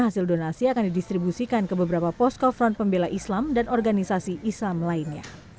hasil donasi akan didistribusikan ke beberapa posko front pembela islam dan organisasi islam lainnya